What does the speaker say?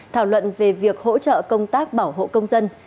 thảo luận về việc hỗ trợ công tác bảo hộ công dân